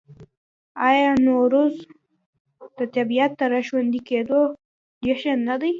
آیا نوروز د طبیعت د راژوندي کیدو جشن نه دی؟